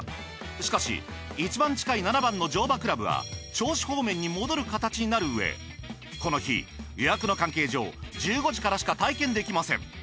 しかし一番近い７番の乗馬クラブは銚子方面に戻る形になるうえこの日予約の関係上１５時からしか体験できません。